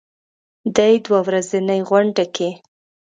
دې دوه ورځنۍ غونډه کې